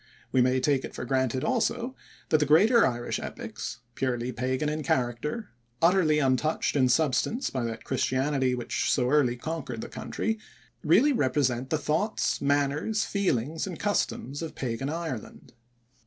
We may take it for granted also that the greater Irish epics (purely pagan in character, utterly untouched in substance by that Christianity which so early conquered the country) really represent the thoughts, manners, feelings, and customs of pagan Ireland.